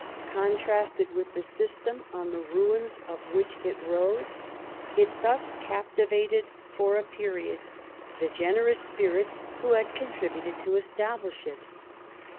Contrasted with the system on the ruins of which it rose, it thus captivated, for a period, the generous spirits who had contributed to establish it.